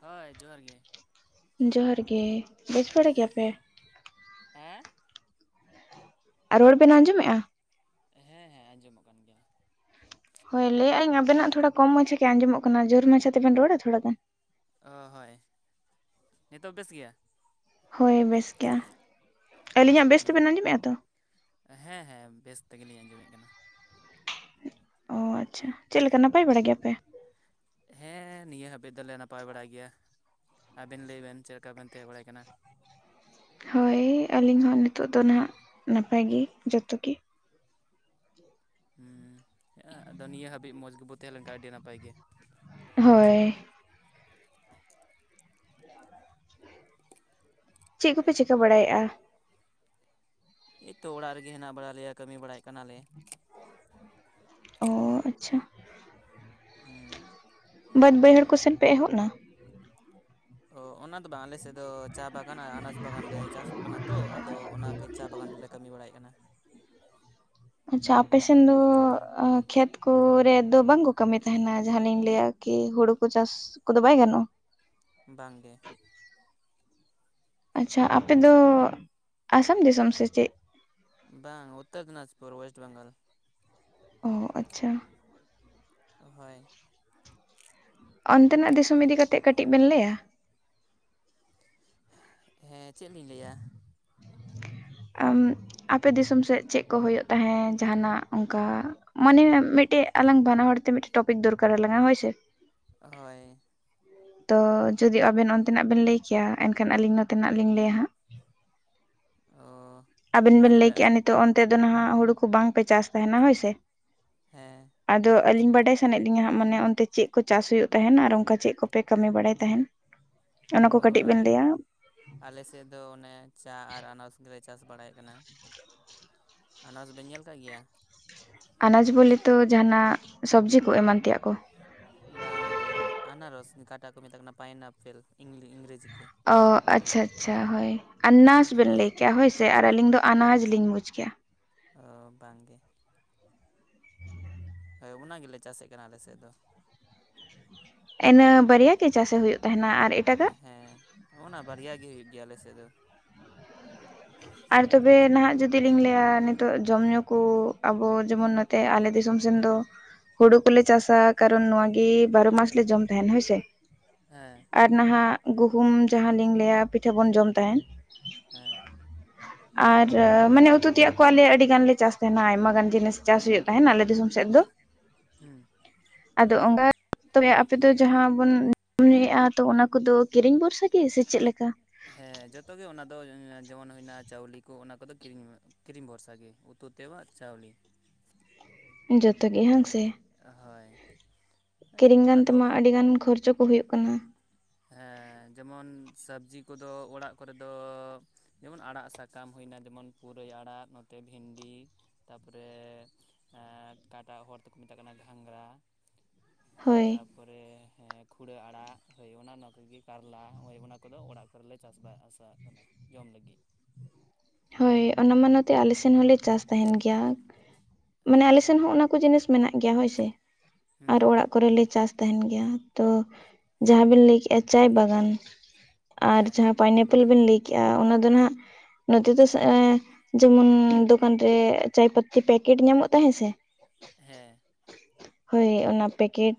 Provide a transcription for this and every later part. ᱦᱳᱭ ᱡᱚᱦᱟᱨ ᱜᱮ ᱡᱚᱦᱟᱨ ᱜᱮ ᱵᱮᱥ ᱵᱟᱲᱟ ᱜᱮᱭᱟᱯᱮ [unintelligible] ᱟᱨ ᱨᱚᱲ ᱵᱮᱱ ᱟᱸᱡᱚᱢᱮᱫᱼᱟ ᱦᱮᱸ ᱦᱮᱸ ᱟᱸᱡᱚᱢᱚᱜ ᱠᱟᱱ ᱜᱮᱭᱟ ᱦᱳᱭ ᱞᱟᱹᱭᱮᱫᱼᱟᱞᱤᱧ ᱟᱵᱮᱱᱟᱜ ᱛᱷᱚᱲᱟ ᱠᱚ ᱢᱟᱪᱷᱟ ᱜᱮ ᱟᱸᱡᱚᱢᱚᱜ ᱠᱟᱱᱟ ᱡᱳᱨ ᱢᱟᱪᱷᱟ ᱛᱮᱵᱮᱱ ᱨᱚᱲᱟ ᱛᱷᱚᱲᱟ ᱜᱟᱱ ᱚ ᱦᱳᱭ ᱱᱤᱛᱚᱜ ᱵᱮᱥ ᱜᱮᱭᱟ ᱦᱳᱭ ᱵᱮᱥ ᱜᱮᱭᱟ ᱟᱹᱞᱤᱧᱟᱜ ᱵᱮᱥ ᱦᱩᱸ ᱛᱮᱵᱮᱱ ᱟᱸᱡᱚᱢᱮᱫᱼᱟ ᱛᱚ ᱦᱮᱸ ᱦᱮᱸ ᱵᱮᱥ ᱛᱮᱜᱮᱞᱤᱧ ᱟᱸᱡᱚᱢᱮᱫ ᱠᱟᱱᱟ ᱚ ᱟᱪᱪᱷᱟ ᱪᱮᱫ ᱞᱮᱠᱟ ᱱᱟᱯᱟᱭ ᱵᱟᱲᱟ ᱜᱮᱭᱟᱯᱮ ᱦᱮᱸ ᱱᱤᱭᱟᱹ ᱦᱟᱹᱵᱤᱡ ᱫᱚᱞᱮ ᱱᱟᱯᱟᱭ ᱵᱟᱲᱟᱭ ᱜᱮᱭᱟ ᱟᱵᱮᱱ ᱞᱟᱹᱭᱵᱮᱱ ᱪᱮᱫ ᱞᱮᱠᱟᱵᱮᱱ ᱛᱟᱦᱮᱸ ᱵᱟᱲᱟᱭ ᱠᱟᱱᱟ ᱦᱳᱭ ᱟᱹᱞᱤᱧ ᱦᱚᱸ ᱱᱤᱛᱳᱜ ᱫᱚ ᱱᱟᱦᱟᱜ ᱱᱟᱯᱟᱭ ᱜᱮ ᱡᱚᱛᱚ ᱜᱮ ᱦᱩᱸ ᱟᱫᱚ ᱱᱤᱭᱟᱹ ᱦᱟᱹᱵᱤᱡ ᱢᱚᱸᱡᱽ ᱜᱮᱵᱚ ᱛᱟᱦᱮᱸ ᱞᱮᱱ ᱠᱷᱟᱡ ᱟᱹᱰᱤ ᱱᱟᱯᱟᱭ ᱜᱮ ᱦᱳᱭ ᱪᱮᱫ ᱠᱚᱯᱮ ᱪᱤᱠᱟᱹ ᱵᱟᱲᱟᱭᱮᱫᱼᱟ ᱮ ᱛᱚ ᱚᱲᱟᱜ ᱨᱮᱜᱮ ᱦᱮᱱᱟᱜ ᱵᱟᱲᱟᱜ ᱞᱮᱭᱟ ᱠᱟᱹᱢᱤ ᱵᱟᱲᱟᱭᱮᱫ ᱠᱟᱱᱟᱞᱮ ᱚᱻ ᱟᱪᱪᱷᱟ ᱦᱮᱸ ᱵᱟᱹᱫᱽ ᱵᱟᱹᱭᱦᱟᱹᱲ ᱠᱚ ᱥᱮᱱ ᱯᱮ ᱮᱦᱚᱵ ᱮᱱᱟ ᱚ ᱚᱱᱟ ᱫᱚ ᱵᱟᱝ ᱟᱞᱮ ᱥᱮᱫ ᱟᱫᱚ ᱪᱟ ᱵᱟᱜᱟᱱᱟ ᱟᱱᱟᱥ ᱵᱟᱜᱟᱱ ᱞᱮ ᱪᱟᱥᱚᱜ ᱠᱟᱱᱟ ᱛᱚ ᱟᱫᱚ ᱚᱱᱟᱜᱮ ᱪᱟ ᱵᱟᱜᱟᱱ ᱨᱮᱞᱮ ᱠᱟᱹᱢᱤ ᱵᱟᱲᱟᱭᱮᱫ ᱠᱟᱱᱟ ᱟᱪᱪᱷᱟ ᱟᱯᱮ ᱥᱮᱱ ᱫᱚ ᱠᱷᱮᱛ ᱠᱚᱨᱮ ᱫᱚ ᱵᱟᱝᱠᱚ ᱠᱟᱹᱢᱤ ᱛᱟᱦᱮᱱᱟ ᱡᱟᱦᱟᱸᱞᱤᱧ ᱞᱟᱹᱭᱟ ᱠᱤ ᱦᱩᱲᱩ ᱠᱚ ᱪᱟᱥ ᱠᱚᱫᱚ ᱵᱟᱭ ᱜᱟᱱᱚᱜᱼᱟ ᱵᱟᱝ ᱜᱮ ᱟᱪᱪᱷᱟ ᱟᱯᱮᱫᱚ ᱟᱥᱟᱢ ᱫᱤᱥᱚᱢ ᱥᱮ ᱪᱮᱫ ᱵᱟᱝ ᱩᱛᱛᱚᱨ ᱫᱤᱱᱟᱡᱽᱯᱩᱨ ᱳᱭᱮᱥᱴ ᱵᱮᱝᱜᱚᱞ ᱚᱻ ᱟᱪᱪᱷᱟ ᱦᱳᱭ ᱚᱱᱛᱮᱱᱟᱜ ᱫᱤᱥᱚᱢ ᱤᱫᱤ ᱠᱟᱛᱮᱫ ᱠᱟᱹᱴᱤᱡ ᱵᱮᱱ ᱞᱟᱹᱭᱟ ᱦᱮᱸ ᱪᱮᱫ ᱞᱤᱧ ᱞᱟᱭᱼᱟ ᱟᱯᱮ ᱫᱤᱥᱚᱢ ᱥᱮᱫ ᱪᱮᱫ ᱠᱚ ᱦᱩᱭᱩᱜ ᱛᱟᱦᱮᱸᱫ ᱡᱟᱦᱟᱱᱟᱜ ᱚᱱᱠᱟ ᱢᱟᱱᱮ ᱢᱤᱫᱴᱮᱡ ᱟᱞᱟᱝ ᱵᱟᱱᱟ ᱦᱚᱲ ᱛᱮ ᱢᱤᱫᱴᱮᱡ ᱴᱚᱯᱤᱠ ᱫᱚᱨᱠᱟᱨᱟ ᱞᱟᱝ-ᱟ ᱦᱳᱭ ᱥᱮ ᱦᱳᱭ ᱛᱚ ᱡᱩᱫᱤ ᱟᱵᱮᱱ ᱚᱱᱛᱮᱱᱟᱜ ᱵᱮᱱ ᱞᱟᱹᱭ ᱠᱮᱭᱟ ᱮᱱᱠᱷᱟᱱ ᱟᱹᱞᱤᱧ ᱱᱚᱛᱮᱱᱟᱜ ᱞᱤᱧ ᱞᱟᱹᱭᱟ ᱦᱟᱸᱜ ᱚ ᱟᱵᱤᱱ ᱢᱟ ᱵᱤᱱ ᱞᱟᱹᱭ ᱛᱚᱵᱮ ᱠᱮᱜᱼᱟ ᱱᱤᱛᱚᱜ ᱚᱱᱛᱮ ᱫᱚ ᱱᱟᱦᱟᱜ ᱦᱩᱲᱩ ᱠᱚ ᱵᱟᱝᱯᱮ ᱪᱟᱥ ᱛᱟᱦᱮᱱᱟ ᱦᱳᱭᱥᱮ ᱦᱮᱸ ᱟᱫᱚ ᱟᱹᱞᱤᱧ ᱵᱟᱰᱟᱭ ᱥᱟᱱᱟᱭᱮᱫ ᱞᱤᱧᱟᱹ ᱦᱟᱸᱜ ᱢᱟᱱᱮ ᱚᱱᱛᱮ ᱪᱮᱫ ᱠᱚ ᱪᱟᱥ ᱦᱩᱭᱩᱜ ᱛᱟᱦᱮᱱ ᱟᱨ ᱚᱱᱠᱟ ᱪᱮᱫ ᱠᱚᱯᱮ ᱠᱟᱹᱢᱤ ᱵᱟᱲᱟᱭ ᱛᱟᱦᱮᱱ ᱚᱱᱟ ᱠᱚ ᱠᱟᱹᱴᱤᱡ ᱵᱮᱱ ᱞᱟᱹᱭᱟ ᱟᱞᱮᱥᱮᱫ ᱫᱚ ᱚᱱᱮ ᱪᱟ ᱟᱨ ᱟᱱᱟᱪ ᱜᱮᱞᱮ ᱪᱟᱥ ᱵᱟᱲᱟᱭᱮᱫ ᱠᱟᱱᱟ ᱟᱱᱟᱪ ᱵᱮᱱ ᱧᱮᱞ ᱠᱟᱜ ᱜᱮᱭᱟ ᱟᱱᱟᱡᱽ ᱵᱚᱞᱮ ᱛᱚ ᱡᱟᱦᱟᱱᱟᱜ ᱥᱚᱵᱽᱡᱤ ᱠᱚ ᱮᱢᱟᱱ ᱛᱮᱭᱟᱜ ᱠᱚ ᱵᱟᱝᱜᱮ ᱟᱱᱟᱨᱚᱥ ᱡᱟᱸᱦᱟᱴᱟᱜ ᱠᱚ ᱢᱮᱛᱟᱜ ᱠᱟᱱᱟ ᱯᱟᱭᱱᱟᱯᱮᱞ ᱤᱝᱨᱮᱡᱤ ᱛᱮ ᱚ ᱟᱪᱪᱷᱟ ᱟᱪᱪᱷᱟ ᱦᱳᱭ ᱟᱱᱟᱨᱥ ᱵᱮᱱ ᱦᱳᱭ ᱞᱟᱹᱭ ᱠᱮᱜᱼᱟ ᱦᱳᱭ ᱥᱮ ᱟᱨ ᱟᱹᱞᱤᱧ ᱫᱚ ᱟᱱᱟᱡᱽ ᱞᱤᱧ ᱵᱩᱡᱽ ᱠᱮᱜᱼᱟ ᱚ ᱵᱟᱝ ᱜᱮ ᱦᱳᱭ ᱚᱱᱟ ᱜᱮᱞᱮ ᱪᱟᱥ ᱮᱫ ᱠᱟᱱᱟ ᱟᱞᱮ ᱥᱮᱫ ᱫᱚ ᱤᱱᱟᱹ ᱵᱟᱨᱭᱟ ᱜᱮ ᱪᱟᱥᱮ ᱦᱩᱭᱩᱜ ᱛᱟᱦᱮᱱᱟ ᱟᱨ ᱮᱴᱟᱜᱟᱜ ᱦᱮᱸ ᱚᱱᱟ ᱵᱟᱨᱭᱟ ᱜᱮ ᱦᱩᱭᱩᱜ ᱜᱮᱭᱟ ᱟᱞᱮᱥᱮᱫ ᱫᱚ ᱟᱨ ᱛᱚᱵᱮ ᱱᱟᱦᱟᱜ ᱡᱩᱫᱤ ᱞᱤᱧ ᱞᱟᱹᱭᱟ ᱱᱤᱛᱚᱜ ᱡᱚᱢ ᱧᱩ ᱠᱚ ᱟᱵᱚ ᱡᱮᱢᱚᱱ ᱱᱚᱛᱮ ᱟᱞᱮ ᱫᱤᱥᱚᱢ ᱥᱮᱱ ᱫᱚ ᱦᱩᱲᱩ ᱠᱚᱞᱮ ᱪᱟᱥᱟ ᱠᱟᱨᱚᱱ ᱱᱚᱣᱟ ᱜᱤ ᱵᱟᱨᱚ ᱢᱟᱥ ᱞᱮ ᱡᱚᱢ ᱛᱟᱦᱮᱱᱟ ᱦᱳᱭᱥᱮ ᱦᱮᱸ ᱟᱨ ᱱᱟᱦᱟᱜ ᱜᱩᱦᱩᱢ ᱡᱟᱦᱟᱸ ᱞᱤᱧ ᱞᱟᱹᱭᱟ ᱯᱤᱴᱷᱟᱹ ᱵᱚᱱ ᱡᱚᱢ ᱛᱟᱦᱮᱱ ᱦᱮᱸ ᱟᱨ ᱢᱟᱱᱮ ᱩᱛᱩ ᱛᱮᱭᱟᱜ ᱠᱚ ᱟᱞᱮ ᱟᱹᱰᱤ ᱜᱟᱱᱞᱮ ᱪᱟᱥ ᱛᱟᱦᱮᱱᱟ ᱟᱭᱢᱟ ᱜᱟᱱ ᱡᱤᱱᱤᱥ ᱪᱟᱥ ᱦᱩᱭᱩᱜ ᱛᱟᱦᱮᱱ ᱟᱞᱮ ᱫᱤᱥᱚᱢ ᱥᱮᱫ ᱫᱚ ᱦᱩᱸ ᱟᱫᱚ ᱚᱝᱜᱟ ᱛᱚᱵᱮ ᱟᱯᱮᱫᱚ ᱡᱟᱦᱟᱸ ᱵᱚᱱ ᱡᱚᱢ ᱧᱩᱭᱮᱫᱼᱟ ᱛᱚ ᱚᱱᱟ ᱠᱚᱫᱚ ᱠᱤᱨᱤᱧ ᱵᱷᱚᱨᱥᱟ ᱜᱮ ᱥᱮ ᱪᱮᱫ ᱞᱮᱠᱟ ᱦᱮᱸ ᱡᱚᱛᱚ ᱜᱮ ᱚᱱᱟ ᱫᱚ ᱡᱮᱢᱚᱱ ᱦᱩᱭᱱᱟ ᱪᱟᱣᱞᱤ ᱠᱚ ᱚᱱᱟ ᱠᱚᱫᱚ ᱠᱤᱨᱤᱧ ᱠᱤᱨᱤᱢ ᱵᱷᱚᱨᱥᱟ ᱜᱮ ᱩᱛᱩ ᱛᱮᱣᱟᱜ ᱪᱟᱣᱞᱤ ᱡᱚᱛᱚ ᱜᱮ ᱦᱟᱝ ᱥᱮ ᱦᱳᱭ ᱠᱤᱨᱤᱧ ᱜᱟᱱ ᱟᱫᱚ ᱛᱮᱢᱟ ᱟᱹᱰᱤ ᱜᱟᱱ ᱠᱷᱚᱨᱪᱚ ᱠᱚ ᱦᱩᱭᱩᱜ ᱠᱟᱱᱟ ᱦᱮᱸ ᱡᱮᱢᱚᱱ ᱥᱚᱵᱽᱡᱤ ᱠᱚᱫᱚ ᱚᱲᱟᱜ ᱠᱚᱨᱮ ᱫᱚ ᱡᱮᱢᱚᱱ ᱟᱲᱟᱜ ᱥᱟᱠᱟᱢ ᱦᱩᱭᱱᱟ ᱡᱮᱢᱚᱱ ᱯᱩᱨᱟᱹᱭ ᱟᱲᱟᱜ ᱱᱚᱛᱮ ᱵᱷᱤᱱᱰᱤ ᱛᱟᱨᱯᱚᱨᱮ ᱮᱸ ᱚᱠᱟᱴᱟᱜ ᱦᱚᱲ ᱛᱚᱠᱚ ᱢᱮᱛᱟᱜ ᱠᱟᱱᱟ ᱜᱷᱟᱝᱨᱟ ᱦᱳᱭ ᱛᱟᱯᱚᱨᱮ ᱦᱮᱸ ᱠᱷᱩᱲᱟᱹ ᱟᱲᱟᱜ ᱦᱳᱭ ᱚᱱᱟ ᱚᱱᱟ ᱠᱚᱜᱮ ᱠᱟᱨᱞᱟ ᱳᱭ ᱚᱱᱟ ᱠᱚᱫᱚ ᱚᱲᱟᱜ ᱠᱚᱨᱮᱞᱮ ᱪᱟᱥᱵᱟᱥᱟᱜ ᱠᱟᱱᱟ ᱡᱚᱢ ᱞᱟᱹᱜᱤᱫ ᱦᱳᱭ ᱚᱱᱟ ᱢᱟᱱᱚᱛᱮ ᱟᱞᱮ ᱥᱮᱱ ᱦᱚᱞᱮ ᱪᱟᱥ ᱛᱟᱦᱮᱱ ᱜᱮᱭᱟ ᱢᱟᱱᱮ ᱦᱳᱭ ᱟᱞᱮᱥᱮᱱ ᱦᱚᱸ ᱚᱱᱟ ᱠᱚ ᱡᱤᱱᱤᱥ ᱢᱮᱱᱟᱜ ᱜᱮᱭᱟ ᱦᱳᱭᱥᱮ ᱟᱨ ᱦᱩᱸ ᱚᱲᱟᱜ ᱠᱚᱨᱮᱞᱮ ᱪᱟᱥ ᱛᱟᱦᱮᱱ ᱜᱮᱭᱟ ᱛᱚ ᱡᱟᱦᱟᱸ ᱵᱤᱱ ᱞᱟᱹᱭ ᱠᱮᱜᱼᱟ ᱪᱟᱭ ᱵᱟᱜᱟᱱ ᱟᱨ ᱦᱮᱸ ᱡᱟᱦᱟᱸ ᱯᱟᱭᱤᱱᱟᱯᱮᱞ ᱵᱮᱱ ᱞᱟᱹᱭ ᱠᱮᱜᱼᱟ ᱚᱱᱟ ᱫᱚ ᱱᱟᱦᱟᱜ ᱱᱚᱛᱮ ᱫᱚ ᱮᱸ ᱡᱮᱢᱚᱱ ᱫᱚᱠᱟᱱ ᱨᱮ ᱪᱟᱭ ᱯᱟᱛᱤ ᱯᱮᱠᱮᱴ ᱧᱟᱢᱚᱜ ᱛᱟᱦᱮᱸ ᱥᱮ ᱦᱮᱸ ᱦᱳᱭ ᱚᱱᱟ ᱯᱮᱠᱮᱴ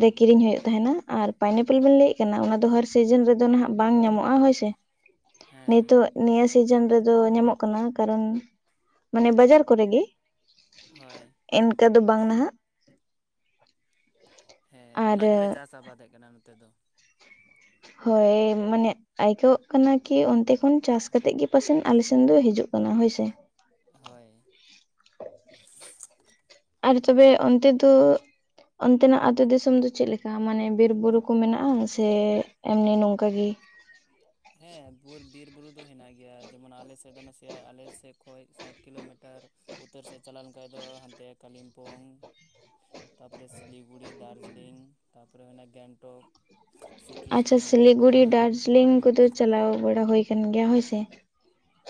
ᱨᱮ ᱠᱤᱨᱤᱧ ᱦᱩᱭᱩᱜ ᱛᱟᱦᱮᱱᱟ ᱟᱨ ᱯᱟᱭᱱᱟᱯᱮᱞ ᱵᱮᱱ ᱞᱟᱹᱭᱮᱫ ᱠᱟᱱᱟ ᱚᱱᱟ ᱫᱚ ᱦᱟᱨ ᱥᱤᱡᱤᱱ ᱨᱮᱫᱚ ᱱᱟᱦᱟᱸᱜ ᱵᱟᱝ ᱧᱟᱢᱚᱜᱼᱟ ᱦᱳᱭᱥᱮ ᱦᱮᱸ ᱱᱤᱛᱳᱜ ᱱᱤᱭᱟᱹ ᱥᱤᱡᱮᱱ ᱨᱮᱫᱚ ᱧᱟᱢᱚᱜ ᱠᱟᱱᱟ ᱠᱟᱨᱚᱱ ᱢᱟᱱᱮ ᱵᱟᱡᱟᱨ ᱠᱚᱨᱮ ᱜᱮ ᱦᱳᱭ ᱮᱱᱠᱟᱹ ᱫᱚ ᱵᱟᱝ ᱱᱟᱦᱟᱜ ᱦᱮᱸ ᱟᱨ ᱚᱱᱟ ᱜᱮᱞᱮ ᱪᱟᱥ ᱟᱵᱟᱫ ᱮᱫ ᱠᱟᱱᱟ ᱱᱚᱛᱮ ᱫᱚ ᱦᱳᱭ ᱢᱟᱱᱮ ᱟᱹᱭᱠᱟᱹᱣᱚᱜ ᱠᱟᱱᱟ ᱠᱤ ᱚᱱᱛᱮ ᱠᱷᱚᱱ ᱪᱟᱥ ᱠᱟᱛᱮᱜ ᱜᱮ ᱯᱟᱥᱮᱱ ᱟᱞᱮᱥᱮᱱ ᱫᱚ ᱦᱤᱡᱩᱜ ᱠᱟᱱᱟ ᱦᱳᱭᱥᱮ᱾ ᱦᱳᱭ ᱟᱨ ᱛᱚᱵᱮ ᱚᱱᱛᱮ ᱫᱚ ᱚᱱᱛᱮᱱᱟᱜ ᱟᱹᱛᱩ ᱫᱤᱥᱚᱢ ᱫᱚ ᱪᱮᱫ ᱞᱮᱠᱟ ᱢᱟᱱᱮ ᱵᱤᱨ ᱵᱩᱨᱩ ᱠᱚ ᱢᱮᱱᱟᱜᱼᱟ ᱥᱮ ᱮᱢᱱᱤ ᱱᱚᱝᱠᱟ ᱜᱮ? ᱦᱮᱸ ᱵᱤᱨ ᱵᱩᱨᱩ ᱫᱚ ᱦᱮᱱᱟᱜ ᱜᱮᱭᱟ ᱡᱮᱢᱚᱱ ᱟᱞᱮ ᱥᱮᱫ ᱫᱚ ᱱᱟᱥᱮᱭᱟᱜ ᱟᱞᱮ ᱥᱮᱫ ᱠᱷᱚᱱᱚᱡ ᱥᱟᱴ ᱠᱤᱞᱳᱢᱤᱴᱟᱨ ᱩᱛᱚᱨ ᱥᱮᱫ ᱪᱟᱞᱟᱣ ᱞᱮᱱᱠᱷᱟᱡ ᱫᱚ ᱦᱟᱱᱛᱮ ᱠᱟᱞᱤᱢᱯᱚᱝ᱾ ᱛᱟᱨᱯᱚᱨᱮ ᱥᱤᱞᱤᱜᱩᱲᱤ, ᱫᱟᱨᱡᱤᱞᱤᱝ, ᱛᱟᱨᱯᱚᱨᱮ ᱦᱩᱭᱱᱟ ᱜᱮᱝᱴᱚᱠ᱾ ᱥᱤᱠᱤᱢ ᱦᱳᱭ ᱚᱱᱟᱠᱚ ᱦᱮᱱᱟᱜᱼᱟ᱾ ᱥᱩᱞᱤᱢ ᱠᱚᱫᱚ ᱪᱟᱞᱟᱣ ᱵᱟᱲᱟ ᱦᱩᱭ ᱟᱠᱟᱱ ᱜᱮᱭᱟ ᱦᱳᱭᱥᱮ᱾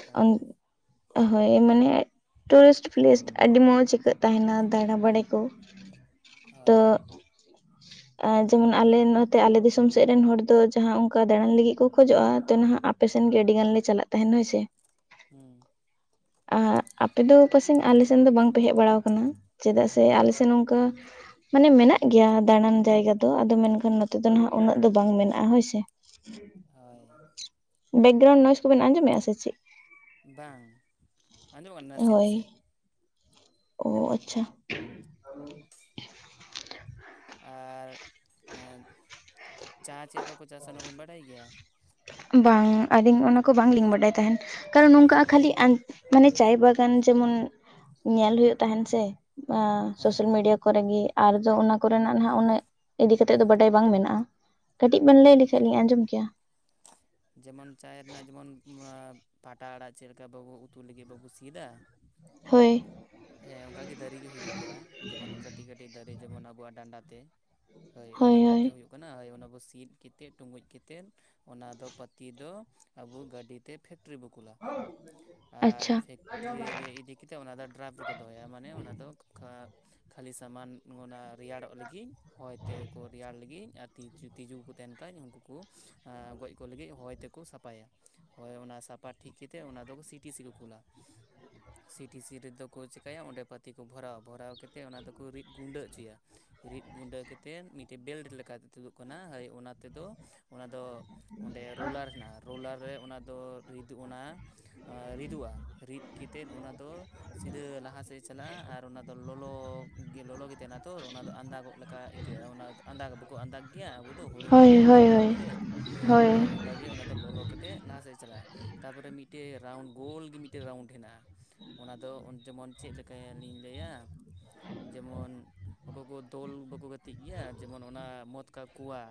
ᱦᱳᱭ ᱦᱚᱭ ᱢᱟᱱᱮ ᱴᱩᱨᱤᱥᱴ ᱯᱷᱮᱞᱮᱥ ᱟᱹᱰᱤ ᱢᱚᱸᱡᱽ ᱟᱹᱭᱠᱟᱹᱜ ᱛᱟᱦᱮᱱᱟ ᱫᱟᱬᱟ ᱵᱟᱲᱟᱭ ᱠᱚ᱾ ᱦᱳᱭ ᱟ ᱡᱮᱢᱚᱱ ᱟᱞᱮ ᱱᱚᱛᱮ ᱟᱞᱮ ᱫᱤᱥᱚᱢ ᱥᱮᱫ ᱨᱮᱱ ᱦᱚᱲ ᱫᱚ ᱡᱟᱦᱟᱸ ᱚᱱᱠᱟ ᱫᱟᱬᱟᱱ ᱞᱟᱹᱜᱤᱫ ᱠᱚ ᱠᱷᱚᱡᱚᱜᱼᱟ, ᱛᱚ ᱱᱟᱦᱟᱜ ᱟᱯᱮᱥᱮᱱ ᱜᱮ ᱟᱹᱰᱤ ᱜᱟᱱ ᱞᱮ ᱪᱟᱞᱟᱜ ᱛᱟᱦᱮᱱᱟ ᱦᱳᱭ ᱥᱮ᱾ ᱦᱩᱸ ᱟ ᱟᱯᱮ ᱫᱚ ᱯᱟᱥᱮᱱ ᱟᱞᱮᱥᱮᱱ ᱫᱚ ᱵᱟᱝᱯᱮ ᱦᱮᱡ ᱵᱟᱲᱟᱣ ᱠᱟᱱᱟ? ᱪᱮᱫᱟᱜ ᱥᱮ ᱵᱟᱝ ᱟᱞᱮ ᱥᱮᱫ ᱱᱚᱝᱠᱟ ᱢᱟᱱᱮ ᱢᱮᱱᱟᱜ ᱜᱮᱭᱟ ᱫᱟᱬᱟᱱ ᱡᱟᱭᱜᱟ ᱫᱚ ᱟᱫᱚ ᱢᱮᱱᱠᱷᱟᱱ ᱱᱚᱛᱮ ᱫᱚ ᱱᱟᱦᱟᱜ ᱩᱱᱟᱹᱜ ᱫᱚ ᱵᱟᱝ ᱢᱮᱱᱟᱜᱼᱟ ᱦᱳᱭᱥᱮ᱾ [inaudible] ᱚᱭ ᱵᱮᱠᱜᱨᱟᱣᱩᱱᱰ ᱱᱚᱭᱥ ᱠᱚᱵᱮᱱ ᱟᱸᱡᱚᱢᱮᱜᱼᱟ ᱥᱮ ᱪᱮᱜ? ᱵᱟᱝ ᱟᱸᱡᱚᱢᱼᱟ ᱱᱟᱥᱮ ᱦᱳᱭ ᱱᱟᱥᱮ᱾ ᱚ ᱟᱪᱪᱷᱟ ᱟᱨ ᱪᱟ ᱪᱮᱜᱠᱟ ᱠᱚ ᱪᱟᱥᱟ ᱚᱱᱟ ᱵᱮᱱ ᱵᱟᱰᱟᱭ ᱜᱮᱭᱟ? ᱵᱟᱝ ᱟᱹᱞᱤᱧ ᱚᱱᱟ ᱠᱚ ᱵᱟᱝᱞᱤᱧ ᱵᱟᱰᱟᱭ ᱛᱟᱦᱮᱱ ᱠᱟᱨᱚᱱ ᱱᱚᱝᱠᱟ ᱠᱷᱟᱹᱞᱤ ᱟᱸᱡ ᱢᱟᱱᱮ ᱪᱟᱭ ᱵᱟᱜᱟᱱ ᱡᱮᱢᱚᱱ ᱧᱮᱞ ᱦᱩᱭᱩᱜ ᱛᱟᱦᱮᱱ ᱥᱮ᱾ ᱟ ᱦᱮᱸ ᱥᱳᱥᱟᱞ ᱢᱤᱰᱤᱭᱟ ᱠᱚᱨᱮᱜᱤ ᱟᱨᱫᱚ ᱚᱱᱟ ᱠᱚᱨᱮᱱᱟᱜ ᱱᱟᱦᱟᱜ ᱩᱱᱟᱹᱜ ᱤᱫᱤ ᱠᱟᱛᱮᱫ ᱫᱚ ᱵᱟᱰᱟᱭ ᱵᱟᱝ ᱢᱮᱱᱟᱜᱼᱟ᱾ ᱠᱟᱹᱴᱤᱡ ᱵᱮᱱ ᱞᱟᱹᱭ ᱞᱮᱠᱷᱟᱡᱞᱤᱧ ᱟᱸᱡᱚᱢ ᱠᱮᱭᱟ᱾ ᱡᱮᱢᱚᱱ ᱪᱟᱭ ᱨᱮᱱᱟᱜ ᱡᱮᱢᱚᱱ ᱚᱱᱟ ᱯᱟᱴᱟ ᱟᱲᱟᱜ ᱪᱮᱜ ᱞᱮᱠᱟ ᱵᱟᱵᱚ ᱩᱛᱩ ᱞᱟᱹᱜᱤᱫ ᱵᱟᱵᱚ ᱥᱤᱫᱟ᱾ ᱦᱳᱭ ᱦᱮᱸ ᱚᱝᱠᱟᱜ ᱜᱮ ᱫᱟᱨᱮ ᱜᱮ ᱦᱩᱭᱩᱜ ᱜᱮᱭᱟ ᱡᱮᱢᱚᱱ ᱠᱟᱹᱴᱤᱜ ᱠᱟᱹᱴᱤᱜ ᱫᱟᱨᱮ ᱡᱮᱢᱚᱱ ᱟᱵᱚᱣᱟᱜ ᱰᱟᱸᱰᱟ ᱛᱮ᱾ ᱦᱟᱹᱭ ᱦᱳᱭ ᱩᱱᱟᱹᱜ ᱦᱳᱭ ᱜᱟᱭᱛᱮ ᱦᱳᱭᱳᱜ ᱠᱟᱱᱟ ᱦᱳᱭ ᱚᱱᱟ ᱵᱚ ᱥᱤᱫ ᱠᱟᱛᱮᱫ ᱴᱩᱸᱜᱩᱡ ᱠᱟᱛᱮᱫ᱾ ᱚᱱᱟ ᱫᱚ ᱯᱟᱹᱛᱤ ᱫᱚ ᱟᱵᱚ ᱜᱟᱹᱰᱤᱛᱮ ᱯᱷᱮᱠ ᱴᱨᱤ ᱵᱚ ᱠᱩᱞᱟ ᱟᱨ ᱟᱪᱪᱷᱟ ᱯᱷᱮᱠᱴᱨᱤ ᱨᱮ ᱤᱫᱤ ᱠᱟᱛᱮᱫ ᱚᱱᱟ ᱫᱚ ᱰᱨᱟᱭᱵᱷ ᱨᱮ ᱠᱚ ᱫᱚᱦᱚᱭᱟ ᱢᱟᱱᱮ ᱚᱱᱟ ᱫᱚ [unintelligible] ᱠᱷᱟᱹᱞᱤ ᱥᱟᱢᱟᱱ ᱚᱱᱟ ᱨᱮᱭᱟᱲᱚᱜ ᱞᱟᱹᱜᱤᱫ ᱦᱚᱭ ᱛᱮᱠᱚ ᱨᱮᱭᱟᱲ ᱞᱟᱹᱜᱤᱫ ᱛᱤᱡᱩ ᱛᱤᱡᱩ ᱠᱚᱠᱚ ᱛᱟᱦᱮᱱ ᱠᱷᱟᱡ ᱩᱝᱠᱩ ᱠᱚ ᱜᱚᱡ ᱠᱚ ᱞᱟᱹᱜᱤᱫ ᱦᱚᱭ ᱛᱮᱠᱚ ᱥᱟᱯᱷᱟᱭᱟ᱾ ᱦᱳᱭ ᱚᱱᱟ ᱥᱟᱯᱟ ᱴᱷᱤᱠ ᱠᱟ ᱠᱮᱛᱮᱫ ᱚᱱᱟ ᱫᱚ ᱥᱤᱴᱤ ᱥᱤ ᱠᱚ ᱠᱩᱞᱟ ᱥᱤᱴᱤ ᱥᱤ ᱨᱮᱫᱚ ᱠᱚ ᱪᱤᱠᱟᱭᱟ ᱚᱸᱰᱮ ᱯᱟᱹᱛᱤ ᱠᱚ ᱵᱷᱚᱨᱟ ᱵᱷᱚᱨᱟᱣ ᱠᱟᱛᱮᱫ ᱚᱱᱟ ᱫᱚᱠᱚ ᱨᱤᱫ ᱜᱩᱸᱰᱟᱹᱜ ᱪᱚᱭᱟ᱾ ᱨᱤᱫ ᱜᱩᱸᱰᱟᱹ ᱠᱟᱛᱮᱫ ᱢᱤᱫᱴᱮᱜ ᱵᱮᱞᱴ ᱞᱮᱠᱟ ᱛᱮ ᱛᱩᱫᱩᱜ ᱠᱟᱱᱟ ᱦᱳᱭ ᱚᱱᱟ ᱛᱮᱫᱚ ᱚᱱᱟ ᱫᱚ ᱚᱸᱰᱮ ᱨᱳᱞᱟᱨ ᱦᱮᱱᱟᱜᱼᱟ ᱨᱳᱞᱟᱨ ᱨᱮ ᱚᱱᱟ ᱫᱚ ᱨᱤᱫ ᱚᱱᱟ ᱨᱤᱫᱚᱜᱼᱟ ᱨᱤᱫ ᱠᱮᱛᱮᱫ ᱚᱱᱟ ᱫᱚ ᱥᱤᱫᱷᱟᱹ ᱞᱟᱦᱟ ᱥᱮᱜ ᱪᱟᱞᱟᱜᱼᱟ ᱟᱨ ᱚᱱᱟ ᱫᱚ ᱞᱚᱞᱚ ᱜᱮ ᱞᱚᱞᱚ ᱜᱮ ᱛᱟᱦᱮᱱᱟ᱾ ᱛᱚᱨ ᱚᱱᱟ ᱫᱚ ᱟᱸᱫᱟᱜᱚᱜ ᱞᱮᱠᱟ ᱟᱹᱭᱠᱟᱹᱜᱼᱟ ᱚᱱᱟ ᱟᱸᱫᱟᱜ ᱵᱟᱠᱚ ᱟᱸᱫᱟᱜ ᱜᱮᱭᱟ ᱟᱵᱚ ᱫᱚ ᱦᱩᱲᱩᱝ ᱦᱳᱭ ᱠᱮᱛᱮᱫ ᱦᱳᱭ ᱞᱚᱞᱚ ᱫᱟᱜ ᱦᱳᱭ ᱠᱮᱛᱮᱫ᱾ ᱦᱳᱭ ᱠᱟ ᱜᱮ ᱚᱱᱟ ᱫᱚ ᱞᱚᱞᱚ ᱠᱟᱛᱮᱫ ᱞᱟᱦᱟ ᱥᱮᱫ ᱪᱟᱞᱟᱜᱼᱟ, ᱛᱟᱯᱚᱨᱮ ᱢᱤᱫᱴᱮᱜ ᱨᱟᱣᱩᱱᱰ ᱜᱳᱞ ᱜᱮ ᱢᱤᱫᱴᱣᱜ ᱨᱟᱣᱩᱱᱰ ᱦᱮᱱᱟᱜᱼᱟ᱾ ᱛᱚ ᱩᱱ ᱡᱮᱢᱚᱱ ᱪᱮᱫ ᱞᱮᱠᱟᱭᱟᱞᱤᱧ ᱞᱟᱹᱭᱟ ᱡᱮᱢᱚᱱ ᱚᱠᱚᱭ ᱠᱚ ᱫᱚᱞ ᱵᱟᱠᱚ ᱜᱟᱛᱮᱜ ᱜᱮᱭᱟ ᱡᱮᱢᱚᱱ ᱚᱱᱟ ᱢᱚᱛ ᱠᱟ ᱠᱩᱶᱟ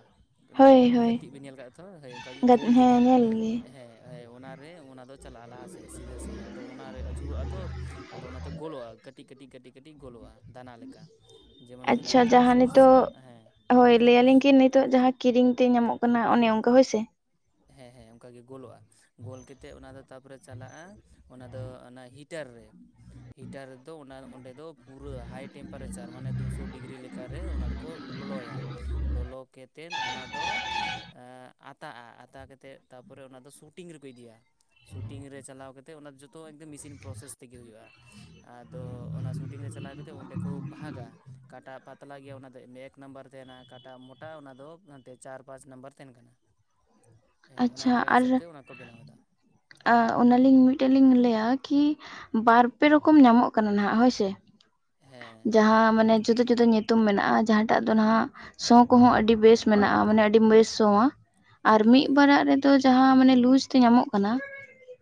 ᱚᱱᱟ ᱦᱳᱭ ᱜᱟ... ᱦᱳᱭ ᱜᱟᱛᱤᱜ ᱵᱮᱱ ᱧᱮᱞ ᱟᱠᱟᱫ ᱛᱚ ᱦᱳᱭ ᱚᱱᱠᱟ ᱜᱮ ᱜᱚᱞ ᱜᱮ ᱦᱮᱸ ᱛᱟᱦᱮᱱᱟ ᱧᱮᱞ ᱜᱮ ᱦᱮᱸ ᱦᱟ. ᱭ ᱚᱱᱟ ᱨᱮ ᱚᱱᱟ ᱫᱚ ᱪᱟᱞᱟᱜᱼᱟ ᱞᱟᱦᱟ ᱥᱮᱡ ᱥᱤᱫᱟᱹ ᱥᱮᱡ ᱟᱫᱚ ᱚᱱᱟ ᱨᱮ ᱟᱹᱪᱩᱨᱚᱜᱼᱟ ᱛᱚᱨ ᱟᱫᱚ ᱚᱱᱟᱛᱮ ᱜᱳᱞᱚᱜᱼᱟ ᱠᱟᱹᱴᱤᱡ ᱠᱟᱹᱴᱤᱡ ᱠᱟᱹᱴᱤᱡ ᱠᱟᱹᱴᱤᱡ ᱜᱚᱞᱚᱜᱼᱟ ᱫᱟᱱᱟ ᱞᱮᱠᱟ ᱡᱮᱢᱚᱱ ᱦᱩᱭᱱᱟ ᱚᱱᱠᱟ ᱥᱚᱨᱥᱟ ᱦᱮᱸ ᱦᱚᱭ ᱞᱟᱹᱭ ᱟᱞᱤᱧ ᱠᱤ ᱱᱤᱛᱚᱜ ᱡᱟᱦᱟᱸ ᱠᱤᱨᱤᱧ ᱛᱮ ᱧᱟᱢᱚᱜ ᱠᱟᱱᱟ ᱚᱱᱮ ᱚᱱᱠᱟ ᱦᱚᱭ ᱥᱮ ᱦᱮᱸ ᱦᱮᱸ ᱚᱱᱠᱟ ᱜᱮ ᱜᱚᱞᱚᱜᱼᱟ ᱜᱚᱞ ᱠᱟᱛᱮᱫ ᱚᱱᱟ ᱫᱚ ᱛᱟᱨᱯᱚᱨᱮ ᱪᱟᱞᱟᱜᱼᱟ ᱚᱱᱟ ᱫᱚ ᱚᱱᱟ ᱦᱤᱴᱟᱨ ᱨᱮ ᱦᱤᱴᱟᱨ ᱨᱮᱫᱚ ᱚᱱᱟ ᱚᱸᱰᱮ ᱫᱚ ᱯᱩᱨᱟᱹ ᱦᱟᱭ ᱴᱮᱢᱯᱟᱨᱮᱪᱟᱨ ᱢᱟᱱᱮ ᱫᱩ ᱥᱚ ᱰᱤᱜᱽᱨᱤ ᱞᱮᱠ.... ᱠᱟ ᱨᱮ ᱚᱱᱟ ᱫᱚᱠᱚ ᱞᱳᱞᱳᱭᱟ ᱞᱚᱞᱚ ᱠᱟᱛᱮᱫ ᱚᱱᱟ ᱫᱚ ᱮᱸᱻ ᱟᱛᱟᱜᱼᱟ ᱛᱟ ᱠᱟᱛᱮᱫ ᱛᱟᱯᱚᱨᱮ ᱚᱱᱟ ᱫᱚ ᱥᱩᱴᱤᱝ ᱨᱮᱠᱚ ᱤᱫᱤᱭᱟ ᱥᱩᱴᱤᱝ ᱨᱮ ᱪᱟᱞᱟᱣ ᱠᱟᱛᱮ ᱚᱱᱟ ᱡᱚᱛᱚ ᱮᱠᱫᱚᱢ ᱢᱮᱥᱤᱱ ᱯᱨᱚᱥᱮᱥ ᱛᱮᱜᱮ ᱦᱩᱭᱩᱜᱼᱟ ᱟᱫᱚ ᱚᱱᱟ ᱥᱩᱴᱤᱝ ᱨᱮ ᱪᱟᱞᱟᱣ ᱠᱟᱛᱮ ᱚᱸᱰᱮ ᱠᱚ ᱵᱷᱟᱜ-ᱟ ᱚᱠᱟᱴᱟᱜ ᱯᱟᱛᱞᱟ ᱜᱮᱭᱟ ᱚᱱᱟ ᱫᱚ ᱮᱢ ᱮᱠ ᱱᱟᱢᱵᱟᱨ ᱛᱟᱦᱮᱱᱟ ᱚᱠᱟᱴᱟᱜ ᱢᱚᱴᱟᱼᱟ ᱚᱱᱟ ᱫᱚ ᱦᱟᱱᱛᱮ ᱪᱟᱨ ᱯᱟᱸᱪ ᱱᱟᱢᱵᱟᱨ ᱛᱟᱦᱮᱱ ᱠᱟᱱᱟ ᱦᱮᱸ ᱚᱱᱟ ᱟᱪᱪᱷᱟ ᱟᱸᱠᱟᱣ ᱟᱨ ᱦᱤᱥᱟᱹᱵ ᱛᱮ ᱚᱱᱟ ᱠᱚ ᱵᱮᱱᱟᱣ ᱮᱫᱟ ᱟ.. ᱚᱱᱟᱞᱤᱧ ᱢᱤᱫᱴᱮᱱ ᱞᱤᱧ ᱞᱟᱹᱭᱟ ᱠᱤ ᱵᱟᱨ ᱯᱮ ᱨᱚᱠᱚᱢ ᱧᱟᱢᱚᱜ ᱠᱟᱱᱟ ᱱᱟᱦᱟᱜ ᱦᱳᱭ ᱥᱮ ᱦᱮᱸ ᱡᱟᱦᱟᱸ ᱢᱟᱱᱮ ᱡᱩᱫᱟᱹ ᱡᱩᱫᱟᱹ ᱧᱩᱛᱩᱢ ᱢᱮᱱᱟᱜᱼᱟ ᱡᱟᱦᱟᱸ ᱴᱟᱜ ᱫᱚ ᱱᱟᱦᱟᱜ ᱥᱳᱸ ᱠᱚ ᱦᱚᱸ ᱟᱹᱰᱤ ᱵᱮᱥ ᱢᱮᱱᱟᱜᱼᱟ ᱢᱟᱱᱮ ᱟᱹᱰᱤ ᱵᱮᱥ ᱥᱳᱸᱼᱟ ᱟᱨ ᱢᱤᱫ ᱦᱮᱸ ᱵᱟᱨᱟᱜ ᱨᱮᱫᱚ ᱡᱟᱦᱟᱸ ᱢᱟᱱᱮ ᱞᱩᱡᱽ ᱛᱮ ᱧᱟᱢᱚᱜ ᱠᱟᱱᱟ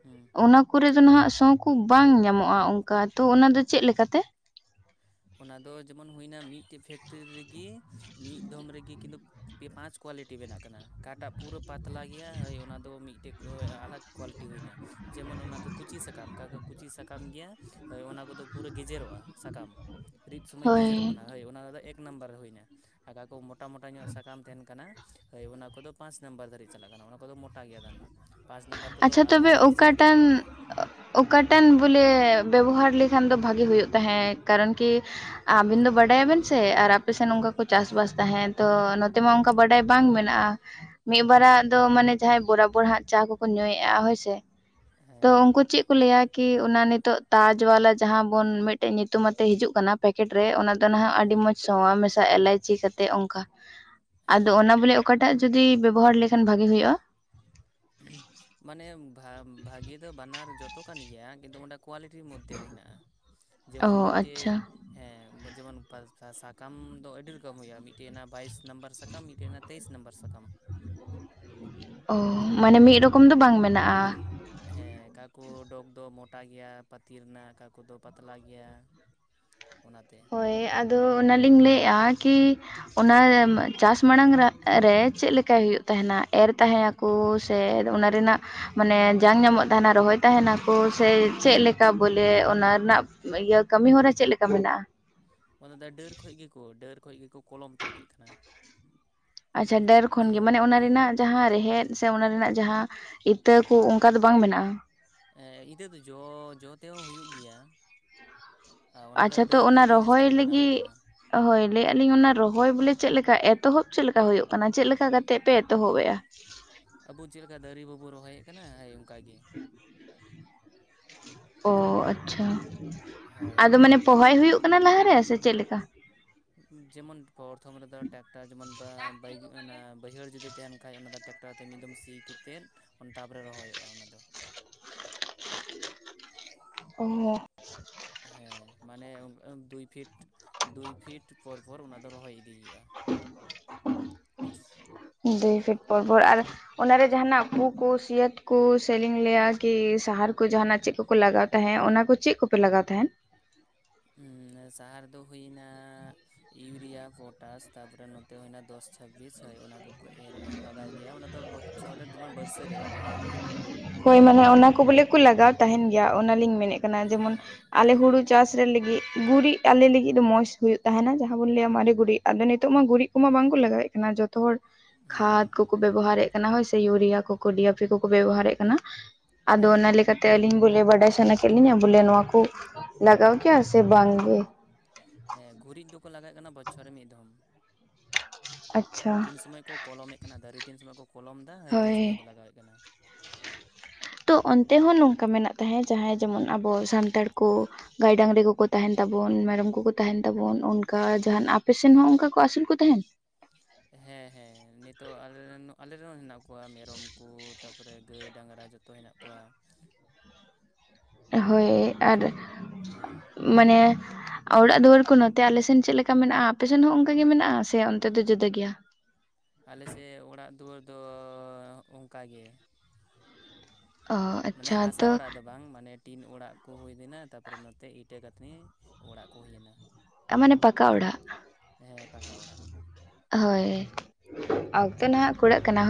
ᱦᱩᱸ ᱚᱱᱟ ᱠᱚᱨᱮ ᱫᱚ ᱱᱟᱦᱟᱜ ᱥᱳᱸ ᱠᱚ ᱵᱟᱝ ᱧᱟᱢᱚᱜᱼᱟ ᱚᱱᱠᱟ ᱛᱚ ᱚᱱᱟ ᱫᱚ ᱪᱮᱫ ᱞᱮᱠᱟ ᱛᱮ ᱚᱱᱟ ᱫᱚ ᱡᱮᱢᱚᱱ ᱦᱩᱭᱱᱟ ᱢᱤᱫ ᱴᱮᱡ ᱯᱷᱮᱠᱴᱨᱤ ᱨᱤᱜᱮ ᱢᱤᱫ ᱫᱚᱢ ᱨᱮᱜᱮ ᱠᱤᱱᱛᱩ ᱯᱮ ᱯᱟᱸᱪ ᱠᱳᱣᱟᱞᱤᱴᱤ ᱵᱮᱱᱟᱜ ᱠᱟᱱᱟ ᱚᱠᱟᱴᱟᱜ ᱯᱩᱨᱟᱹ ᱯᱟᱛᱞᱟ ᱜᱮᱭᱟ ᱦᱟ. ᱭ ᱚᱱᱟ ᱫᱚ ᱢᱤᱫᱴᱮᱡ ᱟᱞᱟ..... ᱠᱚᱣᱟᱞᱤᱴᱤ ᱦᱩᱭᱱᱟ ᱡᱮᱢᱚᱱ ᱚᱱᱟ ᱫᱚ ᱠᱩᱪᱤ ᱥᱟᱠᱟᱢ ᱚᱠᱟ ᱠᱩᱪᱤ ᱥᱟᱠᱟᱢ ᱜᱮᱭᱟ ᱦᱟ. ᱭ ᱚᱱᱟ ᱠᱚᱫᱚ ᱯᱩᱨᱟᱹ ᱜᱮᱡᱮᱨᱚᱜᱼᱟ ᱥᱟᱠᱟᱢ ᱨᱤᱫ ᱥᱚᱢᱚᱭ ᱜᱮᱡᱮᱨᱚᱜ ᱠᱟᱱᱟ ᱦᱳᱭ ᱚᱱᱟ ᱫᱚ ᱮᱠ ᱱᱟᱢᱵᱟᱨ ᱨᱮ ᱦᱩᱭᱱᱟ ᱟᱠᱟ ᱠᱚ ᱢᱚ...... ᱴᱟ ᱢᱚᱴᱟ ᱧᱚᱜ ᱥᱟᱠᱟᱢ ᱛᱟᱦᱮᱱ ᱠᱟᱱᱟ ᱦᱟ. ᱭ ᱚᱱᱟ ᱠᱚᱫᱚ ᱯᱟᱸᱪ ᱱᱟᱢᱵᱟᱨ ᱫᱷᱟ. ᱨᱤᱡ ᱪᱟᱞᱟᱜ ᱠᱟᱱᱟ ᱚᱱᱟ ᱠᱚᱫᱚ ᱢᱚᱴᱟ ᱜᱤᱭᱟ ᱫᱟᱱᱟ ᱯᱟᱸᱪ ᱱᱟᱢᱵᱟᱨ ᱠᱚᱫᱚ ᱟᱪᱪᱷᱟ ᱛᱚᱵᱮ ᱟᱨᱦᱚᱸ ᱢᱮᱥᱤᱱ ᱨᱮᱠᱚ ᱚᱠᱟᱴᱟᱱ ᱵᱷᱚᱨᱟᱣ ᱮᱫᱟ ᱚᱠᱟᱴᱟᱱ ᱵᱚᱞᱮ ᱵᱮᱵᱚᱦᱟᱨ ᱞᱮᱠᱷᱟᱱ ᱫᱚ ᱵᱷᱟᱜᱮ ᱦᱩᱭᱩᱜ ᱛᱟᱦᱮᱸᱫ ᱠᱟᱨᱟᱱ ᱠᱤ ᱟᱵᱤᱱ ᱫᱚ ᱵᱟᱰᱟᱭᱟᱵᱮᱱ ᱥᱮ ᱟᱨ ᱟᱯᱮ ᱥᱮᱱ ᱚᱱᱠᱟ ᱠᱚ ᱪᱟᱥ ᱵᱟᱥ ᱛᱟᱦᱮᱸᱫ ᱛᱚ ᱱᱚᱛᱮ ᱢᱟ ᱠᱟ ᱵᱟᱰᱟᱭ ᱵᱟᱝ ᱢᱮᱱᱟᱜᱼᱟ ᱢᱤᱫ ᱵᱟᱨᱟᱜ ᱫᱚ ᱢᱟᱱᱮ ᱡᱟᱦᱟᱸᱭ ᱵᱚᱨᱟᱵᱚᱨ ᱦᱟᱸᱜ ᱪᱟ ᱠᱚ ᱠᱚ ᱧᱩᱭᱮᱫᱼᱟ ᱦᱚᱭ ᱥᱮ ᱛᱚ ᱦᱮᱸ ᱩᱱᱠᱩ ᱪᱮᱫ ᱠᱩ ᱞᱟᱹᱭᱟ ᱠᱤ ᱚᱱᱟ ᱱᱤᱛᱚᱜ ᱛᱟᱡ ᱵᱟᱞᱟ ᱡᱟᱦᱟᱸ ᱵᱚᱱ ᱢᱤᱫ ᱴᱮᱡ ᱧᱩᱛᱩᱢ ᱟᱛᱮ ᱦᱤᱡᱩᱜ ᱠᱟᱱᱟ ᱯᱮ..... ᱠᱮᱴ ᱨᱮ ᱚᱱᱟ ᱫᱚ ᱱᱟᱦᱟᱜ ᱟᱹᱰᱤ ᱦᱩᱸ ᱢᱚᱸᱡᱽ ᱥᱚᱣᱟ ᱢᱮᱥᱟ ᱤᱞᱟᱭᱪᱤ ᱠᱟᱛᱮ ᱚᱱᱠᱟ ᱟᱫᱚ ᱦᱮᱸ ᱚᱱᱟ ᱵᱚᱞᱮ ᱚᱠᱟ ᱴᱟᱜ ᱡᱩᱫᱤ ᱵᱮᱵᱚᱦᱟᱨ ᱞᱮᱠᱷᱟᱱ ᱵᱷᱟᱜᱤ ᱦᱩᱭᱩᱜᱼᱟ ᱢᱟᱱᱮ ᱵᱷᱟᱹᱜᱤ ᱫᱚ ᱵᱟᱱᱟᱨ ᱡᱚᱛᱚ ᱠᱟᱱ ᱜᱮᱭᱟ ᱠᱤᱱᱛᱩ ᱚᱸᱰᱮ ᱠᱳᱣᱟᱞᱤᱴᱤ ᱢᱚᱫᱽᱫᱷᱮᱨᱮ ᱦᱮᱱᱟᱜ-ᱟ ᱚ ᱡᱮᱢᱚᱱ ᱢᱤᱫᱴᱮᱜ ᱟᱪᱪᱷᱟ ᱦᱮᱸ ᱵᱟ ᱡᱮᱢᱚᱱ ᱯᱷᱟ.. ᱥᱟᱠᱟᱢ ᱫᱚ ᱟᱹᱰᱤ ᱨᱚᱠᱚᱢ ᱦᱩᱭᱩᱜ-ᱟ ᱢᱤᱫᱴᱮᱜ ᱦᱮᱱᱟᱜ-ᱟ ᱵᱟᱭᱤᱥ ᱱᱟᱢᱵᱟᱨ ᱥᱟᱠᱟᱢ ᱢᱤᱫᱴᱮᱜ ᱦᱮᱱᱟᱜ-ᱟ ᱛᱮᱭᱤᱥ ᱱᱚᱢᱵᱟᱨ ᱥᱟᱠᱟᱢ ᱚ ᱢᱟᱱᱮ ᱢᱤᱫ ᱨᱚᱠᱚᱢ ᱫᱚ ᱵᱟᱝ ᱢᱮᱱᱟᱜ-ᱟ ᱦᱮᱸ ᱠᱟᱠᱚ ᱰᱚᱜᱽ ᱫᱚ ᱢᱚᱴᱟ ᱜᱮᱭᱟ ᱯᱟᱹᱛᱤ ᱨᱮᱱᱟᱜ ᱚᱠᱟ ᱠᱚᱫᱚ ᱯᱟᱛᱞᱟ ᱜᱮᱭᱟ ᱚᱱᱟᱛᱮ ᱦᱳᱭ ᱟᱫᱚ ᱚᱱᱟᱞᱤᱧ ᱞᱟᱹᱭᱮᱫ-ᱟ ᱠᱤ ᱚᱱᱟ ᱪᱟᱥ ᱢᱟᱲᱟᱝ ᱨᱮ ᱪᱮᱫ ᱞᱮᱠᱟᱭ ᱦᱩᱭᱩᱜ ᱛᱟᱦᱮᱱᱟ ᱮᱨ ᱛᱟᱦᱮᱸ ᱟ..... ᱠᱩ ᱥᱮ ᱚᱱᱟ ᱨᱮᱱᱟᱜ ᱢᱟᱱᱮ ᱡᱟᱝ ᱧᱟᱢᱚᱜ ᱛᱟᱦᱮᱱᱟ ᱨᱚᱦᱚᱭ ᱛᱟᱦᱮᱱᱟᱠᱚ ᱥᱮ ᱪᱮᱫ ᱞᱮᱠ ᱠᱟ ᱵᱚᱞᱮ ᱚᱱᱟ ᱨᱮᱱᱟᱜ ᱤᱭᱟᱹ ᱠᱟᱹᱢᱤ ᱦᱚᱨᱟ ᱪᱮᱫ ᱞᱮᱠᱟ ᱢᱮᱱᱟᱜ-ᱟ ᱚᱱᱟ ᱫᱟ ᱰᱟᱹᱨ ᱠᱷᱚᱡ ᱜᱮᱠᱚ ᱰᱟᱹᱨ ᱠᱷᱚᱡ ᱜᱮᱠᱚ ᱠᱚᱞᱚᱢ ᱛᱩᱫ ᱮᱫ ᱠᱟᱱᱟ ᱟᱪᱪᱷᱟ ᱰᱟᱹᱨ ᱠᱷᱚᱱ ᱜᱮ ᱢᱟᱱᱮ ᱚᱱᱟ ᱦᱩᱸ ᱨᱮᱱᱟᱜ ᱡᱟᱦᱟᱸ ᱨᱮᱦᱮᱫ ᱥᱮ ᱚᱱᱟ ᱨᱮᱱᱟᱜ ᱡᱟᱦᱟᱸ ᱤᱛᱟᱹ ᱠᱚ ᱚᱱᱠᱟ ᱫᱚ ᱵᱟᱝ ᱢᱮᱱᱟᱜᱼᱟ ᱮ ᱤᱛᱟᱹ ᱫᱚ ᱡᱚ ᱡᱚ ᱛᱮᱦᱚᱸ ᱦᱩᱭᱩᱜ ᱜᱮᱭᱟ ᱾ ᱟᱨ ᱚᱱᱟ ᱫᱚ ᱟᱪᱪᱷᱟ ᱛᱚ ᱰᱟᱹᱨ ᱚᱱᱟ ᱠᱷᱚᱡ ᱜᱮ ᱡᱟᱹᱥᱛᱤ ᱨᱚᱦᱚᱭ ᱠᱚ ᱵᱮᱱᱟᱣᱮᱫ ᱞᱟᱹᱜᱤᱫ ᱠᱟᱱᱟ ᱾ ᱦᱳᱭ ᱞᱟᱹᱭᱮᱫ ᱟᱞᱤᱧ ᱚᱱᱟ ᱨᱚᱦᱚᱭ ᱵᱚᱞᱮ ᱪᱮᱫ ᱞᱮᱠᱟ ᱮᱛᱚᱦᱚᱵ ᱪᱮᱫᱠᱟ ᱦᱩᱭᱩᱜ ᱠᱟᱱᱟ ᱪᱮᱫ ᱞᱮᱠᱟ ᱠᱟᱛᱮᱜ ᱯᱮ ᱮᱛᱚᱦᱚᱵᱮᱜ-ᱟ? ᱟᱵᱚ ᱪᱮᱫ ᱞᱮᱠᱟ ᱫᱟᱨᱮ ᱵᱟᱵᱚ ᱨᱚᱦᱚᱭᱮᱫ ᱠᱟᱱᱟ ᱦᱟᱹᱭ ᱚᱱᱠᱟ ᱜᱮ ᱾ ᱚ ᱟᱪᱪᱷᱟ ᱦᱳᱭ ᱟᱫᱚ ᱢᱟᱱᱮ ᱯᱚᱦᱟᱭ ᱦᱩᱭᱩᱜ ᱠᱟᱱᱟ ᱞᱟᱦᱟ ᱨᱮ ᱥᱮ ᱪᱮᱫ ᱞᱮᱠᱟ? ᱡᱮᱢᱚᱱ ᱯᱨᱚᱨᱛᱷᱚᱢ ᱨᱮᱫᱚ ᱴᱨᱟᱠᱴᱟᱨ ᱡᱮᱢᱚᱱ ᱵᱟ ᱵᱟᱹᱭ ᱵᱟᱹᱭᱦᱟᱹᱲ ᱡᱩᱫᱤ ᱛᱟᱦᱮᱱ ᱠᱷᱟᱱ ᱚᱱᱟ ᱫᱚ ᱴᱮᱠᱴ ᱴᱟᱨ ᱛᱮ ᱢᱤᱫ ᱫᱷᱚᱢ ᱥᱤ ᱠᱟᱛᱮᱫ ᱛᱟᱯᱚᱨᱮ ᱨᱚᱦᱚᱭᱚᱜ-ᱟ ᱚᱱᱟ ᱫᱚ ᱾ ᱚ ᱦᱮᱸ ᱢᱟᱱᱮ ᱫᱩᱭ ᱯᱷᱤᱴ ᱫᱩᱭ ᱯᱷᱤᱴ ᱯᱚᱨᱯᱚᱨ ᱚᱱᱟ ᱫᱚ ᱨᱚᱦᱚᱭ ᱤᱫᱤ ᱦᱩᱭᱩᱜ-ᱟ ᱾ ᱫᱩᱭ ᱯᱷᱤᱴ ᱯᱚᱨᱯᱚᱨ ᱟᱨ ᱚᱱᱟᱨᱮ ᱡᱟᱦᱱᱟᱜ ᱯᱩ ᱠᱚ ᱥᱤᱭᱟᱹᱛ ᱠᱩ ᱥᱮᱞᱤᱧ ᱞᱮᱭᱟ ᱠᱤ ᱥᱟᱦᱟᱨ ᱠᱚ ᱡᱟᱦᱟᱸᱱᱟᱜ ᱪᱮᱫ ᱠᱚ ᱠᱚ ᱠᱚ ᱞᱟᱜᱟᱣ ᱛᱟᱦᱮᱸ ᱚᱱᱟ ᱠᱚ ᱪᱮᱫ ᱠᱚᱯᱮ ᱞᱟᱜᱟᱣ ᱛᱟᱦᱮᱸᱫ? ᱩᱸ ᱥᱟᱦᱟᱨ ᱫᱚ ᱦᱩᱭᱱᱟ ᱤᱭᱩᱨᱤᱭᱟ, ᱯᱚᱴᱟᱥ ᱛᱟᱯᱚᱨᱮ ᱱᱚᱛᱮ ᱦᱩᱭᱱᱟ ᱫᱚᱥ ᱪᱷᱟᱵᱵᱤᱥ ᱦᱳᱭ ᱚᱱᱟ ᱠᱚ ᱠᱚ ᱮᱨᱮᱜ-ᱟ ᱞᱟᱜᱟᱣ ᱜᱮᱭᱟ ᱚᱱᱟ ᱫᱚ ᱵᱚᱪᱷᱚᱨ ᱨᱮ ᱡᱮᱢᱚᱱ ᱵᱟᱹᱨᱥᱟᱹ ᱨᱮ ᱞᱟᱜᱟᱣ ᱦᱩᱭᱩᱜ-ᱟ ᱾ ᱦᱳᱭ ᱢᱟᱱᱮ ᱚᱱᱟ ᱠᱚ ᱵᱚᱞᱮ ᱠᱚ ᱞᱟᱜᱟᱣ ᱛᱟᱦᱮᱱ ᱜᱮᱭᱟ ᱚᱱᱟᱞᱤᱧ ᱢᱮᱱᱮᱫ ᱠᱟᱱᱟ ᱡᱮᱢᱚᱱ ᱦᱮᱸ ᱟᱞᱮ ᱦᱮᱸ ᱦᱩᱲᱩ ᱪᱟᱥ ᱨᱮ ᱞᱟᱹᱜᱤᱫ ᱜᱩᱨᱤᱡ ᱟᱞᱮ ᱞᱟᱹᱜᱤᱫ ᱫᱚ ᱢᱚᱸᱡᱽ ᱦᱩᱭᱩᱜ ᱛᱟᱦᱮᱱᱟ ᱡᱟᱦᱟᱸ ᱵᱚᱱ ᱞᱟᱹᱭᱟ ᱢᱟᱨᱮ ᱜᱩᱨᱤᱡ ᱟᱫᱚ ᱱᱤᱛᱚᱜ ᱢᱟ ᱜᱩᱨᱤᱡ ᱠᱚᱢᱟ ᱵᱟᱝᱠᱚ ᱞᱟᱜᱟᱣᱮᱫ ᱠᱟᱱᱟ ᱡᱚᱛᱚ ᱦᱚᱲ ᱦᱩᱸ ᱥᱟᱦᱟᱨ ᱠᱚ ᱠᱚ ᱵᱮᱵᱚᱦᱟᱨᱮᱫ ᱠᱟᱱᱟ ᱤᱭᱩᱨᱤᱭᱟ ᱠᱚ ᱠᱚ ᱰᱤ ᱮ ᱯᱤ ᱠᱚ ᱠᱚ ᱵᱮᱵᱚᱦᱟᱨᱮᱫ ᱠᱟᱱᱟ ᱟᱫᱚ ᱚᱱᱟ ᱦᱮᱸ ᱞᱮᱠᱟ ᱛᱮ ᱟᱹᱞᱤᱧ ᱵᱚᱞᱮ ᱵᱟᱰᱟᱭ ᱥᱟᱱᱟ ᱠᱮᱫ ᱞᱤᱧᱟᱹ ᱵᱚᱞᱮ ᱱᱚᱣᱟ ᱠᱚ ᱞᱟᱜᱟᱣ ᱠᱮᱭᱟ ᱥᱮ ᱵᱟᱝ ᱜᱮ? ᱦᱮᱸ ᱜᱩᱨᱤᱡ ᱫᱚᱠᱚ ᱞᱟᱜᱟᱜ ᱠᱟᱱᱟ ᱵᱚᱪᱷᱚᱨ ᱨᱮ ᱢᱤᱫ ᱫᱷᱚᱢ ᱾ ᱟᱪᱪᱷᱟ ᱛᱤᱱ ᱥᱚᱢᱚᱭ ᱠᱚ ᱠᱚᱞᱚᱢᱮᱫ ᱠᱟᱱᱟ ᱫᱟᱨᱮ ᱛᱤᱱ ᱥᱚᱢᱚᱭ ᱠᱚ ᱠᱚᱞᱚᱢ ᱫᱟᱨᱮ ᱦᱟᱹᱭ ᱩᱱ ᱦᱳᱭ ᱥᱚᱢᱚᱭ ᱠᱚ ᱞᱟᱜᱟᱣᱮᱫ ᱠᱟᱱᱟ ᱾ ᱛᱚ ᱚᱱᱛᱮ ᱦᱚᱸ ᱱᱚᱝᱠᱟ ᱢᱮᱱᱟᱜ ᱛᱟᱦᱮᱸᱫ ᱡᱟᱦᱟᱸᱭ ᱡᱮᱢᱚᱱ ᱟᱵᱚ ᱥᱟᱱᱛᱟᱲ ᱠᱚ ᱜᱟᱹᱭ ᱰᱟᱝᱨᱤ ᱠᱚᱠᱚ ᱛᱟᱦᱮᱱ ᱛᱟᱵᱚᱱ ᱢᱮᱨᱚᱢ ᱠᱚᱠᱚ ᱛᱟᱦᱮᱱ ᱛᱟᱵᱚᱱ ᱚᱱᱠᱟ ᱡᱟᱦᱟᱱ ᱟᱯᱮ ᱥᱮᱱ ᱦᱚᱸ ᱚᱱᱠᱟ ᱠᱚ ᱟᱹᱥᱩᱞ ᱠᱚ ᱛᱟᱦᱮᱱ? ᱦᱮᱸ ᱦᱮᱸ ᱱᱤᱛᱚᱜ ᱟᱞᱮ ᱨᱮᱱ ᱟᱞᱮ ᱨᱮᱱ ᱦᱮᱱᱟᱜ ᱠᱚᱣᱟ ᱢᱮᱨᱚᱢ ᱠᱚ ᱛᱟᱯᱚᱨᱮ ᱜᱟᱹᱭ ᱰᱟᱝᱨᱟ ᱡᱚᱛᱚ ᱦᱮᱱᱟᱜ ᱠᱚᱣᱟ ᱾ ᱦᱳᱭ ᱟᱨ ᱦᱮᱸ ᱢᱟᱱᱮ ᱚᱲᱟᱜ ᱫᱩᱭᱟᱹᱨ ᱠᱚ ᱱᱚᱛᱮ ᱟᱞᱮ ᱥᱮᱱ ᱪᱮᱫ ᱞᱮᱠᱟ ᱢᱮᱱᱟᱜ-ᱟ ᱟᱯᱮ ᱥᱮᱱ ᱦᱚᱸ ᱚᱱᱠᱟ ᱜᱮ ᱢᱮᱱᱟᱜ-ᱟ ᱥᱮ ᱚᱱᱛᱮ ᱫᱚ ᱡᱩᱫᱟᱹ ᱜᱮᱭᱟ? ᱟᱞᱮ ᱥᱮᱫ ᱚᱲᱟᱜ ᱫᱩᱣᱟᱹᱨ ᱫᱚ ᱚᱱᱠᱟᱜᱮ ᱾ ᱚ ᱢᱟᱱᱮ ᱟᱪᱪᱷᱟ ᱦᱟᱥᱟ ᱛᱚ ᱚᱲᱟᱜ ᱫᱚ ᱵᱟᱝ ᱢᱟᱱᱮ ᱴᱤᱱ ᱚᱲᱟᱜ ᱠᱚ ᱦᱩᱭ ᱤᱫᱤᱱᱟ ᱛᱟᱯᱚᱨᱮ ᱱᱚᱛᱮ ᱤᱴᱟᱹ ᱜᱟᱹᱛᱱᱤ ᱚᱲᱟᱜ ᱠᱚ ᱦᱩᱭᱮᱱᱟ ᱾ ᱚ ᱢᱟᱱᱮ ᱯᱟᱠᱟ ᱚᱲᱟᱜ ᱦᱮᱸ ᱯᱟᱠᱟ ᱚᱲᱟᱜ ᱾ ᱦᱳᱭ ᱚᱠᱛᱮ ᱱᱟᱦᱟᱜ ᱠᱩᱲᱟᱹᱜ ᱠᱟᱱᱟ ᱦᱳ